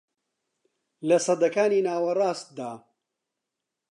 لە سەدەکانی ناوەڕاستدا